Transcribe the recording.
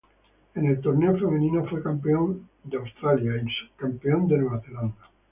En el torneo femenino fue campeón Australia y subcampeón Nueva Zelanda.